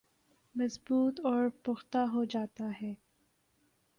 مضبوط اور پختہ ہوجاتا ہے